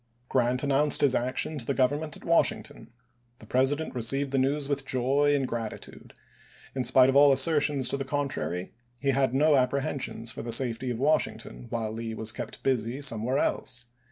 Grant announced his action to the Government at Wash ington. The President received the news with joy and gratitude. In spite of all assertions to the con trary, he had no apprehensions for the safety of Washington while Lee was kept busy somewhere else.